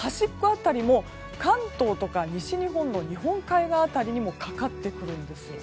辺りも関東から西日本の日本海側にもかかってくるんです。